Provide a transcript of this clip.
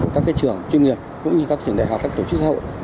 các trường chuyên nghiệp cũng như các trường đại học các tổ chức xã hội